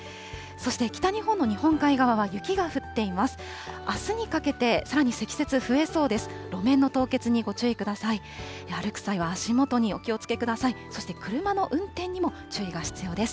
そして北日本の日本海側は雪が降っています。